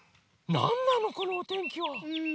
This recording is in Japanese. なんなのこのおてんきは⁉うん。